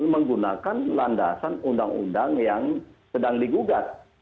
menggunakan landasan undang undang yang sedang digugat